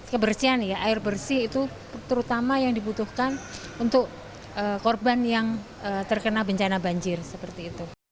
kebersihan ya air bersih itu terutama yang dibutuhkan untuk korban yang terkena bencana banjir seperti itu